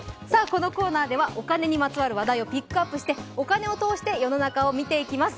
このコーナーではお金にまつわる話題をピックアップしてお金を通して世の中を見ていきます。